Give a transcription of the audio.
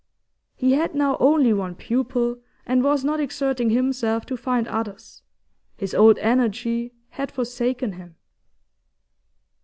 He had now only one pupil, and was not exerting himself to find others; his old energy had forsaken him.